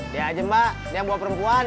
dia aja mbak dia yang bawa perbekuan